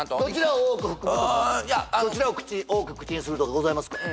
「どちらを多く口にするとかございますか？」